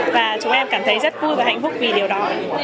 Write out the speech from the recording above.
và chúng em cảm thấy rất vui và hạnh phúc vì điều đó